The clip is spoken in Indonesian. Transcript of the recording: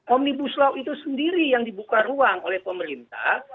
onibus law itu sendiri yang dibuka uang oleh pemerintah